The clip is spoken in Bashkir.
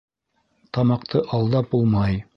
Тамаҡты алдап булмай.